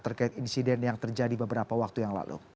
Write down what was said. terkait insiden yang terjadi beberapa waktu yang lalu